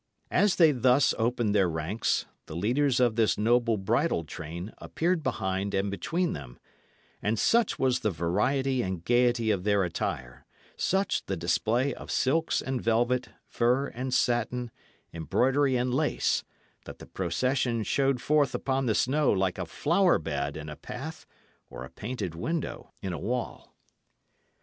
As they thus opened their ranks, the leaders of this noble bridal train appeared behind and between them; and such was the variety and gaiety of their attire, such the display of silks and velvet, fur and satin, embroidery and lace, that the procession showed forth upon the snow like a flower bed in a path or a painted window in a wall.